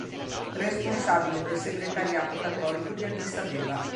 Responsabile del Segretariato Cattolico di Addis Abeba.